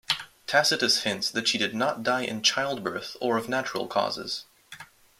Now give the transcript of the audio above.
Tacitus hints that she did not die in childbirth or of natural causes.